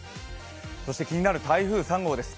そして気になる台風３号です